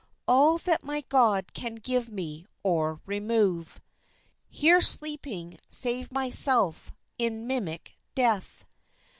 All that my God can give me, or remove, Here sleeping, save myself, in mimic death.